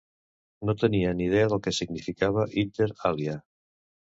No tenia ni idea del que significava "inter alia".